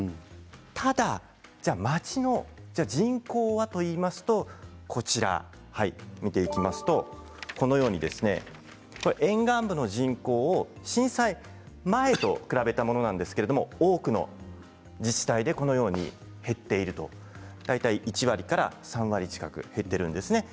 ただ、町の人口はと言いますと沿岸部の人口を震災前と比べたんですけど多くの自治体で減っている大体、１割から３割近く減っているんです。